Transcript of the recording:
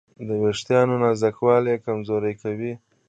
د وېښتیانو نازکوالی یې کمزوري کوي.